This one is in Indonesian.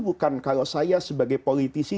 bukan kalau saya sebagai politisi